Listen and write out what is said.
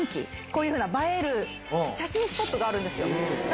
こういうふうな映える写真スポットがあるんですよ。